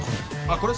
これ。